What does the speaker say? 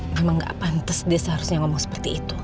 memang nggak pantas dia seharusnya ngomong seperti itu